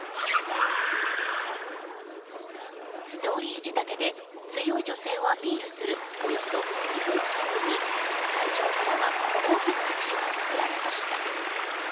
ストーリー仕立てで強い女性をアピールするおよそ２分の演舞に会場からは大きな拍手が送られました。